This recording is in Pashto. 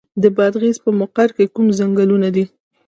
د بادغیس په مقر کې کوم ځنګلونه دي؟